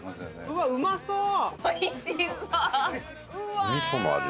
うわっうまそう！